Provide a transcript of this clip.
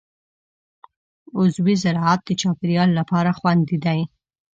عضوي زراعت د چاپېریال لپاره خوندي دی.